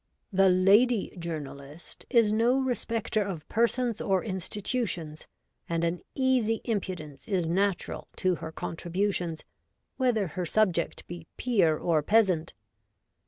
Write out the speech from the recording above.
The ' lady journalist ' is no respecter of persons or institutions, and an easy impudence is natural to her contributions, whether her subject be peer or peasant.